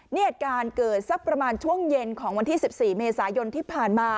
เหตุการณ์เกิดสักประมาณช่วงเย็นของวันที่๑๔เมษายนที่ผ่านมา